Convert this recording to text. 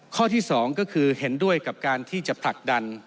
ข้อที่๒ก็คือเห็นด้วยกับการที่จะผลักดัน